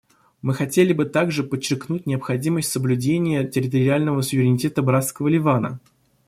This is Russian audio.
Мы хотели бы также подчеркнуть необходимость соблюдения территориального суверенитета братского Ливана.